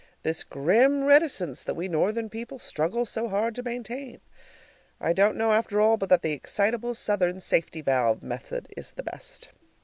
This grim reticence that we Northern people struggle so hard to maintain! I don't know after all but that the excitable Southern safety valve method is the best.